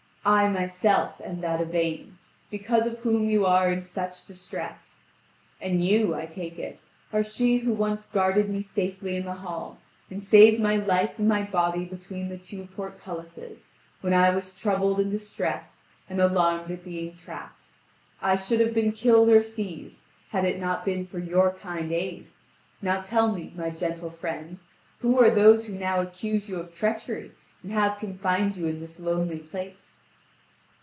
I myself am that Yvain, because of whom you are in such distress. And you, I take it, are she who once guarded me safely in the hall, and saved my life and my body between the two portcullises, when I was troubled and distressed, and alarmed at being trapped. I should have been killed or seized, had it not been for your kind aid. Now tell me, my gentle friend, who are those who now accuse you of treachery, and have confined you in this lonely place?"